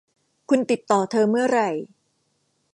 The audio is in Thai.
คุณติดต่อเธอเมื่อไหร่